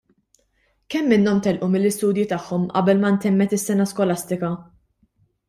Kemm minnhom telqu mill-istudji tagħhom qabel ma ntemmet is-sena skolastika?